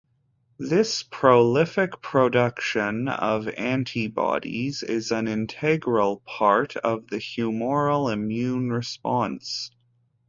This prolific production of antibodies is an integral part of the humoral immune response.